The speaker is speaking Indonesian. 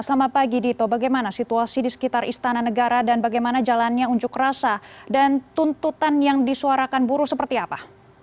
selamat pagi dito bagaimana situasi di sekitar istana negara dan bagaimana jalannya unjuk rasa dan tuntutan yang disuarakan buruh seperti apa